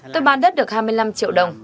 tôi bán đất được hai mươi năm triệu đồng